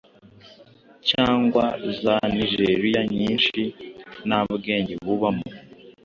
cyangwa za nigeria nyinshi nta bwenge bubamo